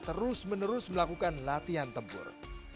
terus menerus melakukan latihan tempur